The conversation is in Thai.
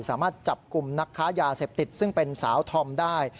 สามารถจับกลุ่มนักค้ายาเสพติดซึ่งเป็นสาวธอมได้